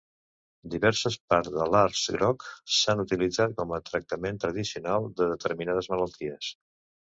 Diverses parts de l'arç groc s'han utilitzat com a tractaments tradicionals de determinades malalties.